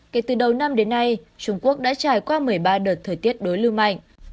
kể từ đầu năm đến nay trung quốc đã trải qua một mươi ba đợt thời tiết đối lưu mạnh